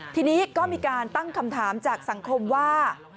ทีนี้ก็มีการตั้งคำถามจากสังคมว่า